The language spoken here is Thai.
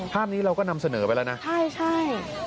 ภาพนี้เราก็นำเสนอไปแล้วนะใช่ใช่